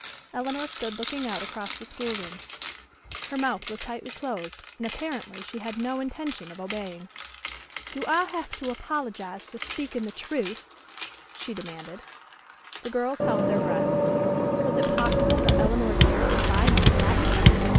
Elinor stood looking out across the schoolroom. Her mouth was tightly closed, and apparently she had no intention of obeying. "Do I have to apologize for speaking the truth?" she demanded. The girls held their breath. Was it possible that Elinor dared defy Miss Patten?